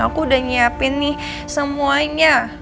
aku udah nyiapin nih semuanya